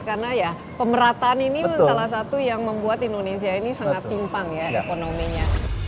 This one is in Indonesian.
karena ya pemerataan ini salah satu yang membuat indonesia ini sangat timpang ya ekonominya